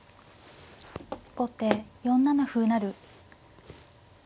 後手４七歩成。